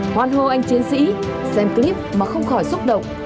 hoàn hồ anh chiến sĩ xem clip mà không khỏi xúc động